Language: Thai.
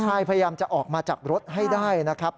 พยายามจะออกมาจากรถให้ได้นะครับ